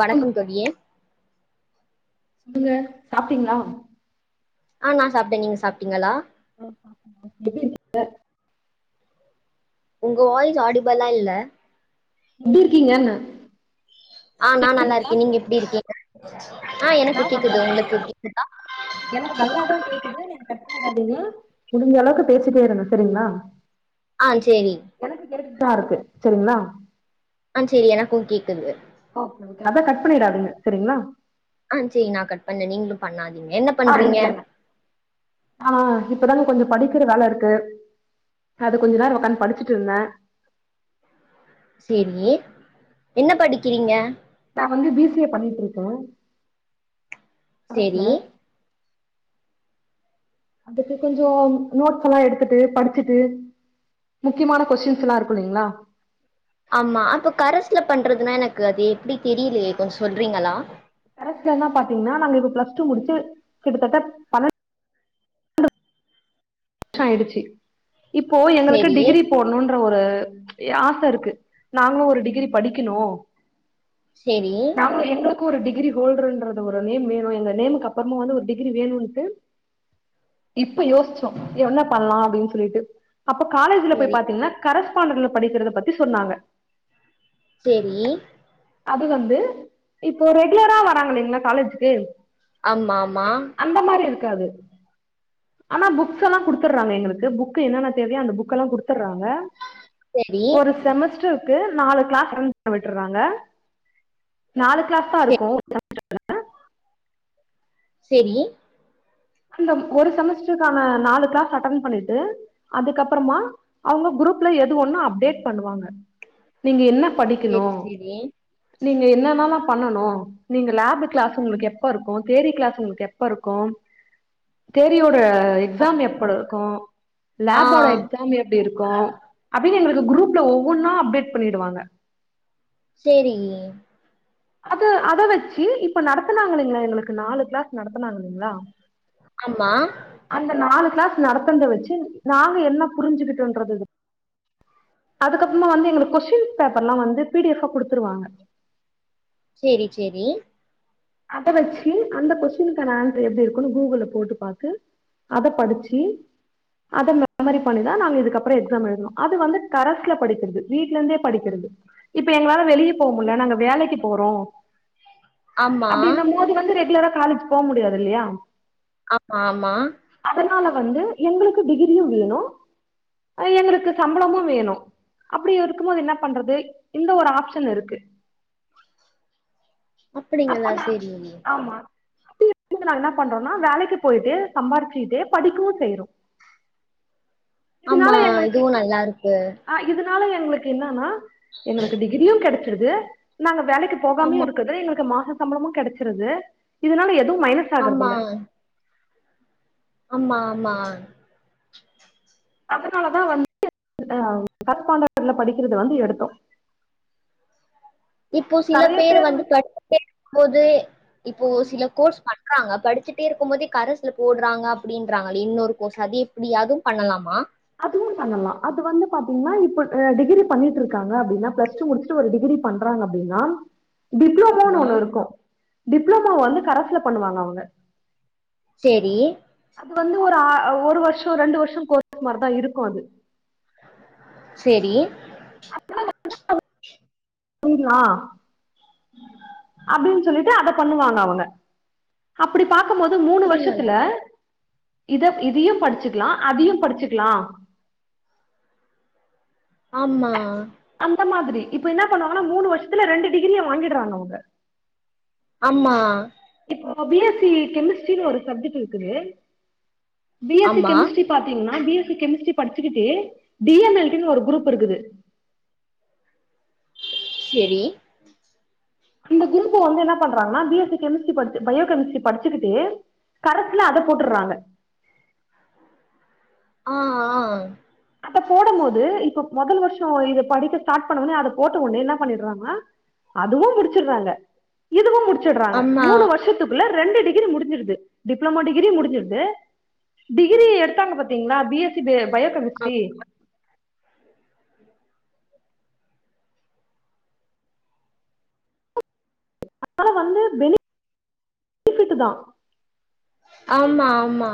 வணக்கம் தோழியே சொல்லுங்க சாப்ட்டீங்களா ஆ நான் சாப்ட்டேன் நீங்க சாப்ட்டீங்களா எப்டி இருக்கீங்க உங்க வாய்ஸ் ஆடிபல்லா இல்ல எப்படி இருக்கீங்கனேன் ஆ நான் நல்லா இருக்கேன் நீங்க எப்படி இருக்கீங்க [unintelligible] எனக்கு நான் நல்லா கேக்குது இருக்கேன் உங்களுக்கு கேக்குதா எனக்கு நல்லாதான் கேக்குது நீங்க கட்பன்னிடாதீங்க முடிஞ்ச அளவுக்கு பேசிட்டே இருந்தேன் சரிங்களா ஆ சேரி ட்டா இருக்கு செரிங்களா ஆ சேரி எனக்கும் கேக்குது ஓகே ஓகே அத கட் பண்ணிடாதீங்க செரிங்களா ஆ சேரி நான் கட் பண்ண நீங்களும் பண்ணா ஆ இல்லல்ல ஆ இப்பதாங்க கொஞ்சம் படிக்கிற வேலை இருக்கு அது கொஞ்ச நேரம் உக்காந்து படிச்சுட்டு இருந்தேன் சேரி என்ன படிக்கிறீங்க நான் வந்து பி சி ஏ பண்ணிட்டு இருக்கேன் கரஸ்ல சேரி அதுக்கு கொஞ்சம் நோட்ஸ் எல்லாம் எடுத்துட்டு படிச்சுட்டு முக்கியமான கொஸ்டின்ஸ் எல்லாம் இருக்கும் இல்லைங்களா ஆமா அப்ப கரசுல பண்றதுனா எனக்கு அது எப்படி தெரியலையே கொஞ்சம் சொல்றீங்களா கரஸ்சுலாம் பாத்தீங்கன்னா நாங்க இப்ப பிளஸ் டூ முடிச்சு கிட்டத்தட்ட பன்னென் ஷம் ஆயிடுச்சு இப்போ எங்களுக்கு சேரி டிகிரி போடணுன்ற ஒரு யாச இருக்கு நாங்களு ஒரு டிகிரி படிக்கணு செரி நாங்களு எங்களுக்கு ஒரு டிகிரி ஹோல்டர்ன்றது ஒரு நேம் வேணும் எ நேமுக்கு அப்பறமா வந்து ஒரு டிகிரி வேணு இப்ப யோசிச்ச என்ன பண்ணலா அப்டின் சொல்லிட்டு அப்போ காலேஜ்ல போய் சேரி பாத்தீங்கன்னா கரஸ் பாண்டல படிக்கிறத பத்தி சொன்னாங்க செரி அது வந்து இப்போ ரெகுலரா வராங்களலிங்களா காலேஜ்க்கு ஆமாமா க்காது ஆனா புக்ஸ் எல்லா குடுத்துடுறாங்க எங்களுக்கு புக் என்னன்ன தேவயோ அந்த புக் எல்லா குடுத் ப்பறாங்க சேரி ஒரு செமஸ்டர் க்கு நாலு கிளாஸ் அ பண்ண விட்டுறாங்க நாலு கிளாஸ் தா சே இருக்கு [unintelligible] செரி அந்த ஒரு செமஸ்டருக்கான நாலு கிளாஸ் அ பண்ணிட்டு அதுக்கப்பறமா அவுங்க குரூப்ல எது ஒன்னு அப்டேட் பண்ணுவாங்க நீங்க என்ன படிக்கணு சேரி சேரி நீங்க என்னன்னல்லா பண்ணனு நீங்க லேப் கிளாஸ் உங்களுக்கு எப்ப இருக்கும் தேரி கிளாஸ் உங்களுக்கு எப்ப இருக்கு தேரி ஒரு இப்ப எக்ஸா எப்போல இருக்கு லேபோட ஆ எக்ஸா எப்டி இருக்கு அப்ப ப்ப எங்களுக்கு குரூப்ல ஒவ்வொன்னா அப்டேட் பண்ணிடுவாங்க சேரி அத அத வச்சு இப்ப நடத்துனாங்க இல்லீங்களா எங்களுக்கு நாலு கிளாஸ் நடத்தனாங்க இல்லிங்களா ஆமா. அந்த நாலு கிளாஸ் நடத்னத வச்சு நாங்க என்ன புரிஞ்சுக்கிட்டோன்றது அதுக்கப்பறமா வந்து எங்களுக்கு கொஸ்டின் பேப்பர்ல்லா வந்து பி டி ஃஎப் குடுத்துருவாங்க செரி செரி அத வச்சு அந்த கொஸ்ட்டின்க்கான ஆன்சர் எப்டி இருக்குன்னு கூகுள் போட்டு பாத்து அத படிச்சு அத மெமரி பண்ணிதா நாங்க இதுக்கப்பறம் எக்ஸாம் எழுதனோ அது வந்து கரஸ்ல படிக்கிறது வீட்ல இருந்தே படிக்கிறது இப்ப எங்களால வெளிய போ முடில நாங்க வேலைக்கு போறோ ஆமா, அப்டின்ன மோது வந்து ரெகுலரா காலேஜ் போ முடியாது இல்லியா ஆமா ஆமா வந்து எங்களுக்கு டிகிரியு வேணு எங்களுக்கு சம்பளமு வேணு அப்டி இருக்கும்போது என்ன பண்றது இந்த ஒரு ஆப்ஷன் இருக்கு அப்டிங்களா சேரிங்கமா அப்டி இப்டி நாங்க என்ன பண்றோம்னா வேலைக்கு போய்ட்டு சம்பாதிச்சிட்டே படிக்கவு செய்யறோ ஆமா இதுவு நல்லா இருக்கு அதனால எங்களுக்கு என்னானா எங்களுக்கு டிகிரியு கெடைக் இருது நாங்க வேலைக்கு போகாமே ஆமா, இருக்கது எங்களுக்கு மாச சம்பளமும் கெடச்சுருது இதனால எது மைனஸ் ஆமா, ஆகறதில்ல ஆமா ஆமா அதனாலதா வந்து ஆ கரப்பாண்டல படிக்கிறது வந்து எடுத்தோ இப்போ சில பேர் வந்து கே போது போது இப்போ ஆஹ் சில கோர்ஸ் பண்ண நாங்க படிச்சிட்டே இருக்கு போதே கரசுல போடுறாங்க அப்டின்றாங்க இன்னொரு கோர்ஸ் அது எப்டி அதவு பண்ணலாமா அதுவு பண்ணலா அது வந்து பாத்தீங்கனா இப்ப டிகிரி பண்ணிட்டு இருக்காங்க அப்டின்னா பிளஸ் டூ முடுச்சுட்டு ஒரு டிகிரி பண்றாங்க அப்டினா டிப்ளமோனு ஆமா. ஒன்னு இருக்கு டிப்ளமோ வந்து கரஸ்ல பண்ணுவாங்க அவுங்க சேரி அது வந்து ஒரு ஒரு வருஷோ ரெண்டு வருஷோ கோர்ஸ் மாதிரிதா இருக்கு அது சேரி [inaudible] புரியலா அப்டின்னு சொல்லிட்டு அத பண்ணுவாங்க அவங்க அப்ப அப்டி பாக்கு போது மூனு அப்படிங்களா? வருஷத்ல இத இதயு படிச்சுக்கலா அதயு படிச்சுக்கலா ஆமா அந்த மாதிரி இப்ப என்ன பண்ணுவாங்கன்னா மூனு வருஷத்ல ரெண்டு டிகிரிய வாங்கிறாங்க அவுங்க ஆமா இப்போ பி எஸ்சி கெமிஸ்ட்ரினு ஒரு சப்ஜெக்ட் இருக்குது பி எஸ்சி ஆமா. கெமிஸ்ட்ரி பாத்தீங்னா பி எஸ்சி கெமிஸ்ட்ரி படிச்சுக்கிட்டு டி எம் எல் டினு ஒரு குரூப் இருக்குது செரி இந்த குரூப்ப வந்து என்ன பண்றாங்கனா பி எஸ்சி கெமிஸ்டரி படிச்சு பயோ கெமிஸ்ட்ரி படிச்சுக்கிட்டு கரஸ்சுல அத போட்டுர்றாங்க ஆ ஆ அத போடமோது இப்ப மொதல் வருஷோ இது படிக்க ஸ்டார்ட் பண்ண உன்னே அத போட்ட ஒன்னே என்ன பண்ணிறாங்கனா அதுவும் முடிச்சிறாங்க இதுவும் முடி ச்சிடறாங்க ஆமா. மூணு வருஷத்துக்குள்ள ரெண்டு டிகிரி முடிஞ்சிருது டிப்ளோமோ டிகிரி முடிஞ்சிருது டிகிரி எடுத்தாங்க பாத்தீங்களா பி எஸ் சி பே பயோ கெமி ஸ்ட்ரி அதனால வந்து பெனிபிட்டு தா ஆமா ஆமா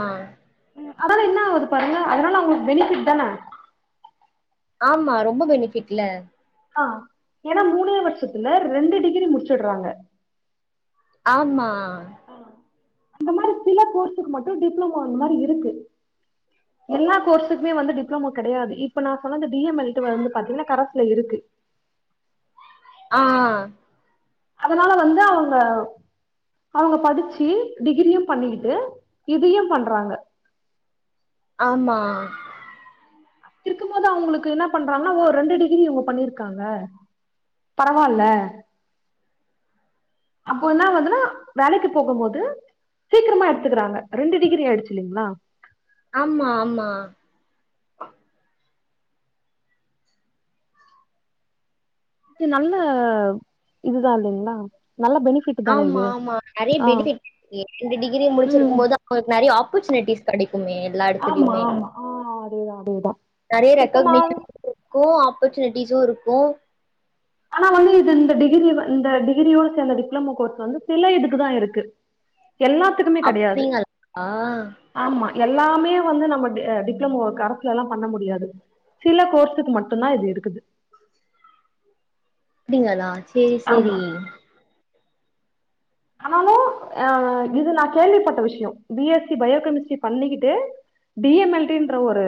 அதனால என்ன ஆவுது பாருங்க அதனால அவுங்களுக்கு பெனிபிட் தான ஆமா ரொம்ப பெனிபிட்ல ஆ ஏனா மூணே வருஷத்துல ரெண்டு டிகிரி முடிச்சறாங்க ஆமா ஆ அந்த மாரி சில கோர்ஸுக்கு மட்டும் டிப்ளமோ அந்த மாரி இருக்கு எல்லா கோர்ஸுக்குமே வந்து டிப்ளோமோ கிடையாது இப்ப நா சொன்னது டி எம் எல் டி வந்து பாத்தீங்கன்னா கரஸ்ல இருக்கு ஆ அதனால வந்து அவுங்க அவுங்க படிச்சி டிகிரியும் பண்ணிக்கிட்டு இதையும் பண்றாங்க ஆமா இருக்கும்போதா அவுங்களுக்கு என்ன பண்றாங்கன்னா ஓ ரெண்டு டிகிரி இவுங்க பண்ணிருக்காங்க பரவாயில்ல அப்போ என்னா ஆவுதுன்னா வேலைக்கு போகமோது சீக்கிரமா எடுத்துக்கிறாங்க ரெண்டு டிகிரி ஆயிடுச்சி இல்லைங்களா ஆமா ஆமா இது நல்ல இதுதான் இல்லைங்களா நல்ல பெனிஃபிட் தானே ஆமா இது ஆமா நறையா ஆ பெனிபிட் [inaudible] ரெண்டு டிகிரிய ம் முடிச்சிருக்கும் போது அவுங்களுக்கு நறையா ஆப்பர்ச்சுனிட்டிஸ் கடைக்குமே எல்லா ஆமா இடத்துலயுமே ஆமா ஆ அதேதா அதேதா நறையா இப்ப நா ரெகக்ணேஷன் கடைக்கும் ஆப்பர்ச்சுனிட்டிஸும் இருக்கும் ஆனா வந்து இது இந்த டிகிரி இந்த டிகிரியோட சேந்த டிப்ளோமோ கோர்ஸ் வந்து சில இதுக்குதான் இருக்கு எல்லாத்துக்குமே கடையாது அப்டிங்களா ஆமா எல்லாமே வந்து நம்ம டி டிப்ளமோ கரஸ்ல எல்லாம் பண்ண முடியாது சில கோர்ஸுக்கு மட்டும்தான் இது இருக்குது அப்டிங்களா செரி செரி ஆமா ஆனாலும் ஆ இது நான் கேள்விப்பட்ட விஷியம் பி எஸ்சி பயோகெமிஸ்ட்ரி பண்ணிக்கிட்டு டி எம் எல் டின்ற ஒரு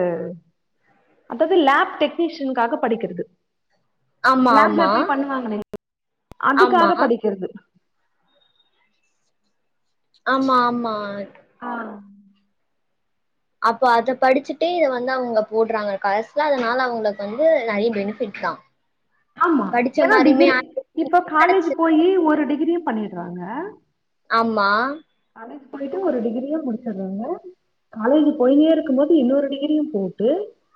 அதாவது லேப் டெக்னீஷியினுக்காக படிக்கிறது ஆமா லேப்ல ஆமா போய் பண்ணுவாங்களே ஆமா அதுக்காக படிக்கிறது ஆமா ஆமா ஆ அப்போ அத படிச்சிட்டே இத வந்து அவுங்க போடறாங்க கரஸ்ல அதனால அவுங்களுக்கு வந்து நறையா பெனிஃபிட் தான் ஆமா ஏனா டிகிரி இப்ப காலேஜி கெடச்சு போயி ஒரு டிகிரி பண்ணிடறாங்க ஆமா காலேஜ் போயிட்டு ஒரு டிகிரியே முடிச்சறாங்க காலேஜி போயின்னே இருக்கும் போது இன்னொரு டிகிரியும் போட்டு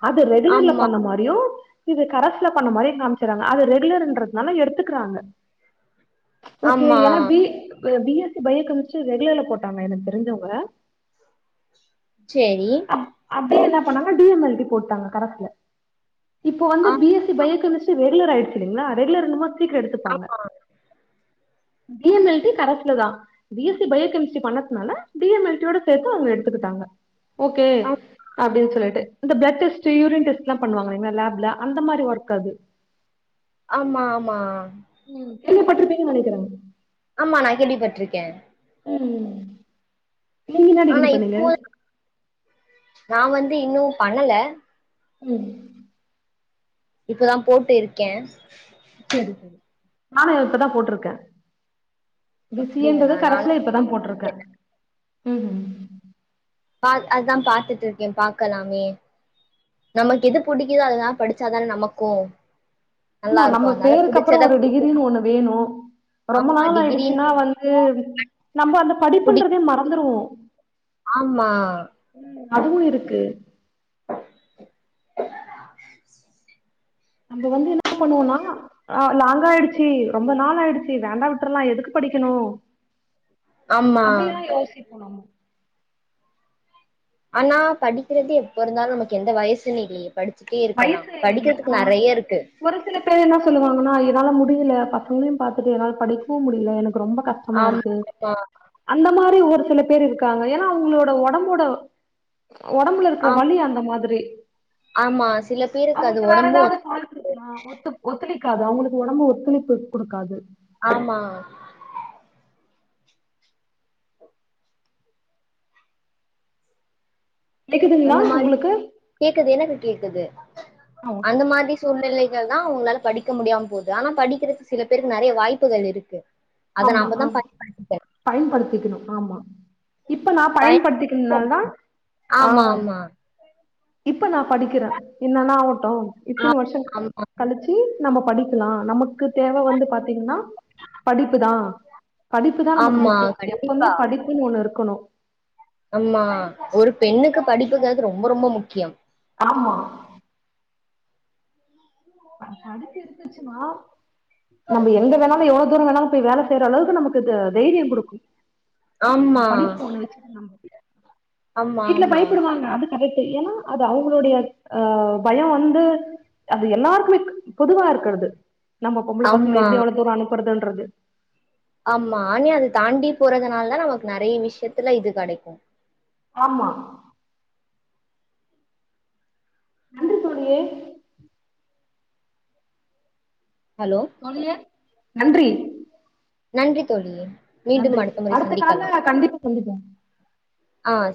அது ரெகுலர்ல ஆமா பண்ண மாரியும் இது கரஸ்ல பண்ண மாரியு காம்ச்சறாங்க அது ரெகுலர்ன்றதுனால எடுத்துக்கிறாங்க ஓகே ஆமா ஏனா B B S C bio chemistry ரெகுலர்ல போட்டாங்க எனக்கு தெரிஞ்சவ்ங்க சேரி அப்டியே என்னா பண்ணாங்கனா டி எம் எல் போட்டாங்க கரசுல இப்ப வந்து ஆ பி எஸ்சி பயோகெமிஸ்ரி ரெகுலர் ஆயிடுச்சீங்ளா ரெகுலர் சீக்ர எடுத்துப்பாங்க ஆமா டி எம் எல் டி கரசுல தா பி எஸ்சி பயோகெமிஸ்ரி பண்ணறதுனா டி எம் எல் டி யோட சேத்து அவங்க எடுத்துக்கிட்டாங்க ஓகே ஆ அப்டின்னு சொல்லிட்டு இந்த பிள பிளெட் டெஸ்ட் யூரின் டெஸ்ட்லா பனுவாங்கல லேப்ல அந்த மாரி ஒர்க் அது ஆமா-ஆமா கேள்விபட்ருப்பீங்கனு நெனக்குரே ஆமா நா கேள்விபட்ருக்கே உம் நீங்க என்னா ஆனா டிகிரி பண்ணீங்க இப்போ நா வந்து இன்னு பண்ணல உம் இப்பதா போட்டு இருக்கே சரி-சரி நானு இப்பதா போட்ருக்கே பி சி யென்றது அப்டிங்களா நானு கரசுல இப்பதா போட்ருக்கே உம் பா அதா பாத்துட்டு இருக்கே பாக்கலாமே நமக்கு எது புடிக்குதோ அதுதாம் படிச்சாதா நமக்கு நல்லா ஆமா இருக்கு நம்ம அதனால பேருக்கு அப்றோ புடிச்சத ஒரு படிக்கணு டிகிரினு ஒன்னு வேணு ரொம்ப ஆமா நாள் ஆயிடுச்சுன்னா டிகிரின்னு வந்து நம்ம அந்த புடி படிப்புண்றதே மறந்துருவோ ஆமா அதுவு இருக்கு [inaudible] நம்ம வந்து என்ன பண்ணுவோனா லாங்காயிடுசி ரொம்ப நாள் ஆயிடுச்சு வேண்டா விட்றலா எதுக்கு படிக்கனு ஆமா அப்டியல்லா யோசிப்போ நம்ம ஆனா படிக்குறது எப்ப இருந்தாலு நமக்கு எந்த வயசுன்னு இல்லயே படி வயசு இல்லங்க ஆ ஒரு சில பேர் என்ன சொல்லுவாங்கனா என்னால முடியல பசங்களயு பாத்துட்டு என்னால படிக்கவு முடியல எனக்கு ரொம்ப கஷ்டமா ஆமா இருக்கு ஆமா அந்த மாரி ஒரு சில பேர் இருக்காங்க ஏனா அவங்களோட ஒடம்போட ஒடம்புல இருக்கற ஆம் வலி அந்த மாதிரி ஆமா சில பேருக்கு அது அவங்களுக்கு வேற ஒடம்பு எதாவது ஃபால்ட் இருக்குங்களா ஒத்துக் ஒத்துழைக் க்காது அவங்களுக்கு ஒடம்பு ஒத்துழைப்பு குடுக்காது. ஆமா கேக்குதுங்களா அந்த மாரி உங்களுக்கு? கேக்குது எனக்கு கேக்குது ஆமா. அந்த மாரி சூழ்நிலை லதா அவங்களால படிக்க முடியாம போகுது. ஆனா படிக்கிறக்கு சில பேருக்கு நெறைய வாய்ப்புகள் இருக்கு. அத ஆமா நாம தா ஆமா பயன்படுத்திக்கணு பயன்படுத்திக்கணு. ஆமா இப்ப நா பயன் பயன்படுத்திக்கிறனாலதா ஆ ஆமா ஆமா இப்ப நா படிக்கிறே என்னன்னா அவ ட்டோ ஆ இத்தன வருஷங் ஆமா கழிச்சி நம்ம படிக்கலா நமக்கு தேவ வந்து பாத்தீங்ன்னா படிப்புதா படிப்புதா நமக்கு ஆமா முக்கியோ எப்பமே கண்டிப்பா படிப்புன்னு ஒண்ணு இருக்கணு படிப்புங்கறது ரொம்ப ரொம்ப முக்கியம் ஆமா ஆ படிப்பு இருந்துச்சுனா நம்ப எங்க வேண்ணாலு எவ்ளோ தூரோ வேண்ணாலு போய் வேல செய்யற அளவுக்கு நமக்கு த தைரியங் குடுக்கு அந்த ஆமா படிப்பு ஒண்ண வச்சுட்டு நம்ப ஆமா ஆமா கரெக்ட்டு ஏன்னா அது அவங்களுடைய ஆ பயோ வந்து அது எல்லாருக் குமே பொதுவா இருக்கறது நம்ம பொம்பள பசங்க ஆமா எப்டி அவ்ளோ தூரோ அனுப் புறதுன்றது ஆமா ஆனா அத தாண்டி போறதுனாலதா நமக்கு நெறைய விஷயத்துல இது கெடைக்கு. ஆமா நன்றி தோழி ஹலோ தோழியே நன்றி நன்றி தோழியே நன்றி அடுத்த கால்ல கண்டிப்பா சந்திப்போ. ஆ